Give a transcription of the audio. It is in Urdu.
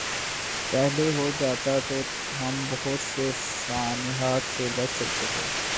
پہلے ہو جاتا تو ہم بہت سے سانحات سے بچ سکتے تھے۔